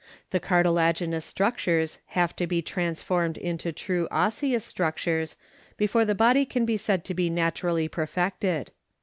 The cartilaginous structures have to be transformed into true osseous structures before the body can be said to be naturally perfected.